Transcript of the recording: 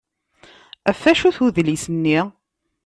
Ɣef wacu-t udlis-nni?